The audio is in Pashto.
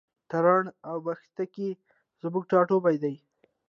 تارڼ اوبښتکۍ زموږ ټاټوبی دی.